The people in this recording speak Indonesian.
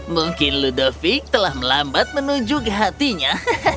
mungkin ludovic telah melambat menuju ke hatinya